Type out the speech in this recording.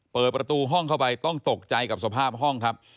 เปิดประตูห้องเข้าไปต้องตกใจกับสภาพห้องครับ